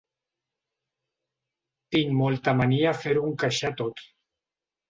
Tinc molta mania a fer-ho encaixar tot.